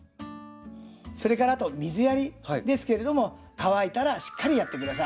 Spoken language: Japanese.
それからあと水やりですけれども乾いたらしっかりやって下さい。